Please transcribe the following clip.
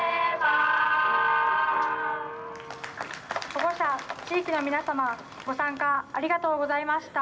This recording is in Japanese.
「保護者地域の皆様ご参加ありがとうございました」。